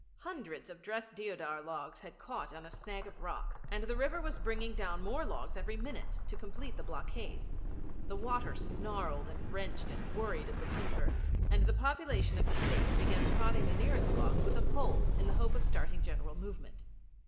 Hundreds of dressed deodar logs had caught on a snag of rock, and the river was bringing down more logs every minute to complete the blockade. The water snarled and wrenched and worried at the timber, and the population of the State began prodding the nearest logs with a pole in the hope of starting a general movement.